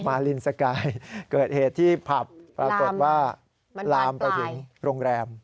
ลินสกายเกิดเหตุที่ผับปรากฏว่าลามไปถึงโรงแรม